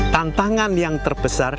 tantangan yang terbesar